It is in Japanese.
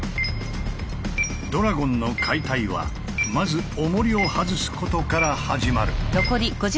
ドラゴンの解体はまずおもりを外すことから始まる。